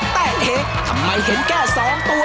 แต่เทคทำไมเห็นแค่๒ตัว